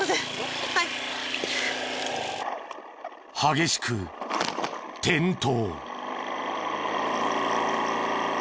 激しく転倒。